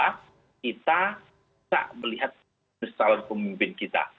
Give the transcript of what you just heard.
kita tak melihat peristiwa pemimpin kita